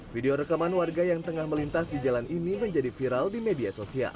video rekaman warga yang tengah melintas di jalan ini menjadi viral di media sosial